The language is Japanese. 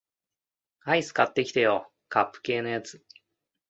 アイス買ってきてよ、カップ系のやつ